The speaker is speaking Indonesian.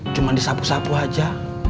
cuma disapu sapu aja